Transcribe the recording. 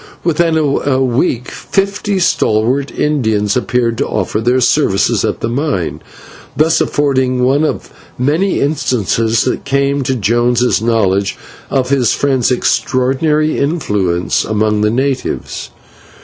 within a week, fifty stalwart Indians appeared to offer their services at the mine, thus affording one of many instances that came to Jones's knowledge, of his friend's extraordinary influence among the natives.